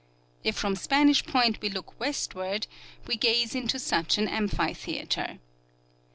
If from Spanish point we look westward, we gaze into such an amphi theater.